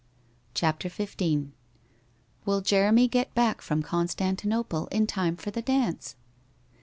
CHAPTER XV * Will Jeremy get back from Constantinople in time for the dance